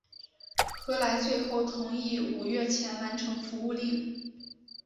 何来最后同意五月前完成服务令。